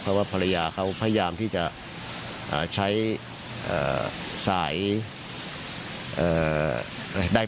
เพราะว่าภรรยาเขาพยายามที่จะใช้สายใดเป่าผมนะครับ